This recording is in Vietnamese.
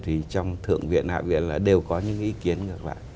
thì trong thượng viện hạ viện là đều có những ý kiến như vậy